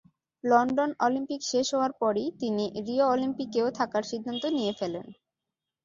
London Olympic শেষ হওয়ার পরই তিনি রিও অলিম্পিকেও থাকার সিদ্ধান্ত নিয়ে ফেলেন।